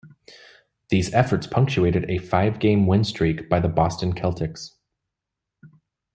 These efforts punctuated a five-game win streak by the Boston Celtics.